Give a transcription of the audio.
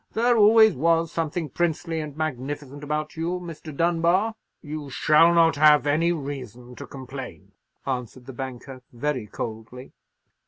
There always was something princely and magnificent about you, Mr. Dunbar." "You shall not have any reason to complain," answered the banker, very coldly.